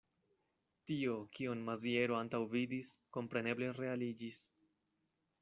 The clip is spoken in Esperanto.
Tio, kion Maziero antaŭvidis, kompreneble realiĝis.